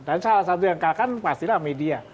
dan salah satu yang dikalkan pastilah media